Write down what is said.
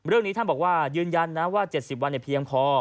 เรื่องนี้ท่านบอกว่ายืนยันนะว่า๗๐วันเพียงพอ